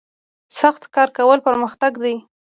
سخت کار کول پرمختګ دی